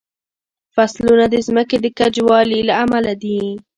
فصلونه د ځمکې د کجوالي له امله دي.